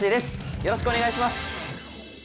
よろしくお願いします。